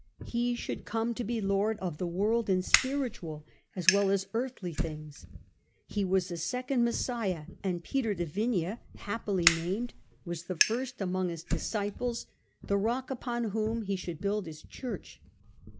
He should come to be Lord of the world in spiritual as well as earthly things. He was a second Messiah, and Peter de Vinea, happily named, was the first among his disciples, 266 STUPOR MUNDI the rock upon whom he should build his Church.